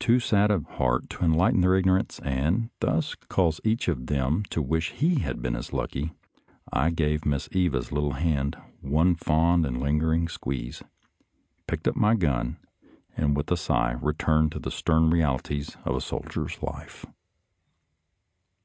Too sad of heart to enlighten their ignorance and thus cause each of them to wish he had been as lucky, I gave Miss Eva's little hand one fond and lingering squeeze, picked up my gun, and with a sigh returned to the stern realities of a soldier's life.